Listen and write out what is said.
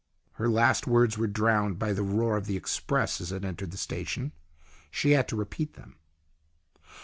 Her last words were drowned by the roar of the express as it entered the station. She had to repeat them.